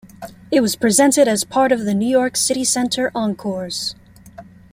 It was presented as part of the New York City Center Encores!